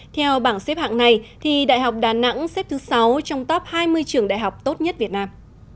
theo bảng xếp hạng này thì đại học đà nẵng xếp thứ sáu trong top hai mươi trường đại học tốt nhất việt nam